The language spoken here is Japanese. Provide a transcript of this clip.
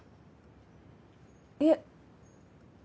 いえ。